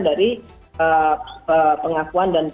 dan if you keep